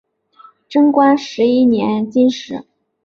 贞观十一年刺史。